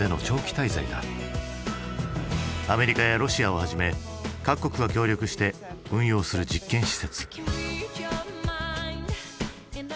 アメリカやロシアをはじめ各国が協力して運用する実験施設。